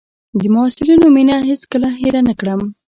د محصلینو مينه هېڅ کله هېره نه کړم.